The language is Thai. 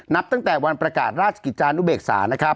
นับตั้งแต่วันประกาศราชกิจจานุเบกษานะครับ